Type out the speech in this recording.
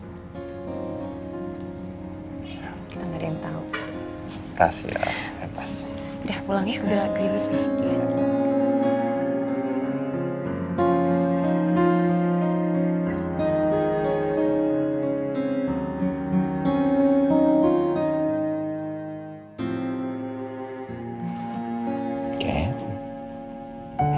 kita nggak ada yang tahu